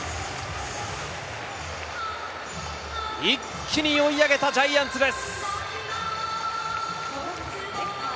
一気に追い上げたジャイアンツです。